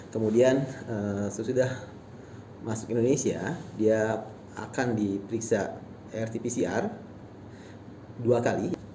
kemudian sesudah masuk indonesia dia akan diperiksa rt pcr dua kali